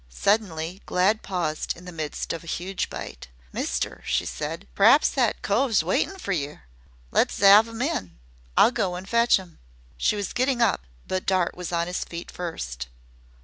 Suddenly Glad paused in the midst of a huge bite. "Mister," she said, "p'raps that cove's waitin' fer yer. Let's 'ave 'im in. I'll go and fetch 'im." She was getting up, but Dart was on his feet first.